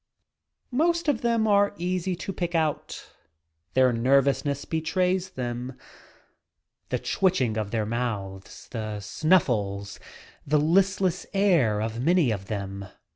Most of them are easy to pick out. Their nerv ousness betrays them. The twitching of mouths, the "snuffles," the listless air of many of them.